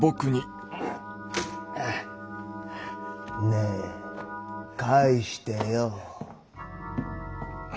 ねぇ返してよッ。